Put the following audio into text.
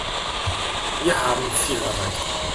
Wir haben viel erreicht.